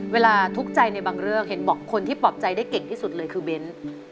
ทุกข์ใจในบางเรื่องเห็นบอกคนที่ปลอบใจได้เก่งที่สุดเลยคือเบ้น